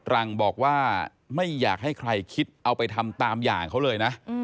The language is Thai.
รังบอกว่าไม่อยากให้ใครคิดเอาไปทำตามอย่างเขาเลยนะ